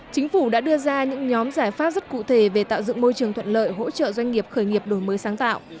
chính phủ đã đưa ra những nhóm giải pháp rất cụ thể về tạo dựng môi trường thuận lợi hỗ trợ doanh nghiệp khởi nghiệp đổi mới sáng tạo